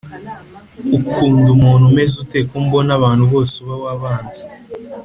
Ukunda umuntu umezute kombona abantu bose uba wabanze